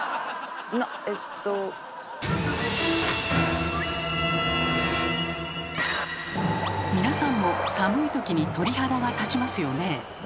なっ⁉えっと⁉皆さんも寒いときに鳥肌が立ちますよね。